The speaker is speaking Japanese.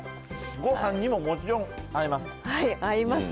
ごはんにももちろん合います。